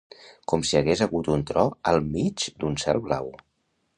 Com si hagués hagut un tro al mig d'un cel blau.